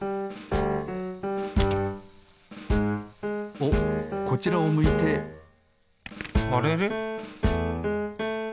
おっこちらを向いてあれれ？